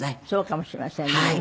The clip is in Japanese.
そうかもしれませんね。